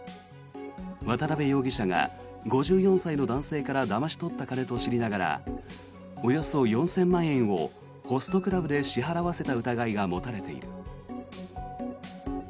渡邊容疑者が５４歳の男性からだまし取った金と知りながらおよそ４０００万円をホストクラブで支払わせた疑いが持たれている。